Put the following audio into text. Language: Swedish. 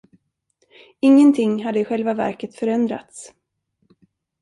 Ingenting hade i själva verket förändrats.